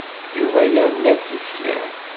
Yuba yerna-d tifyar.